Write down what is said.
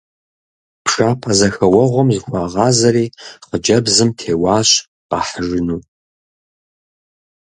Пшапэзэхэуэгъуэм зыхуагъазэри хъыджэбзым теуащ къахьыжыну.